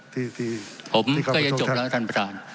ที่ผมก็จะจบแล้วท่านประธาน